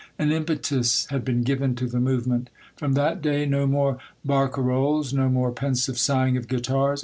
An impetus had been given to the move ment. From that day no more barcarolles, no more pensive sighing of guitars.